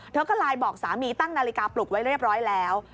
เธอก็ไลน์บอกสามีตั้งนาฬิกาปลุกไว้เรียบร้อยแล้ว